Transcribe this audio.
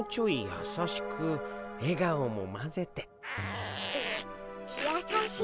やさしく笑顔もまぜて。